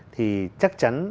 thì chắc chắn